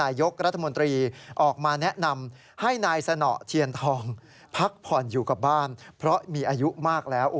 นายกรัฐมนตรีออกมาแนะนำให้นายสนเทียนทองพักผ่อนอยู่กับบ้านเพราะมีอายุมากแล้ว